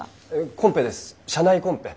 コンペです社内コンペ。